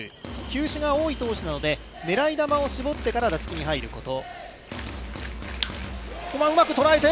球種が多い投手なので、狙い球を絞ってから打席に入ること。